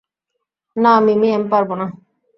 না, মিমি, আমি পারবো না।